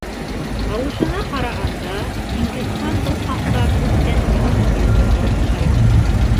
Тауышына ҡарағанда, Диңгеҙхан был хаҡта күптән уйланып йөрөгәнгә оҡшай.